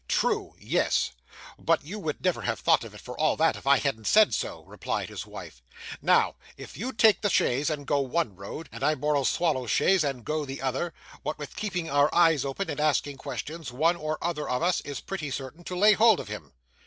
'True! Yes; but you would never have thought of it, for all that, if I hadn't said so,' replied his wife. 'Now, if you take the chaise and go one road, and I borrow Swallow's chaise, and go the other, what with keeping our eyes open, and asking questions, one or other of us is pretty certain to lay hold of him.